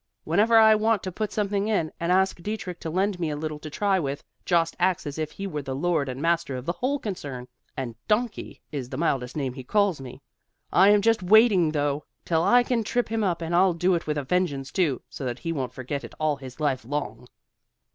Whenever I want to put something in, and ask Dietrich to lend me a little to try with, Jost acts as if he were the lord and master of the whole concern, and 'donkey' is the mildest name he calls me. I am just waiting though, till I can trip him up, and I'll do it with a vengeance too, so that he won't forget it all his life long."